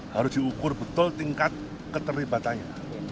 harus diukur betul tingkat keterlibatannya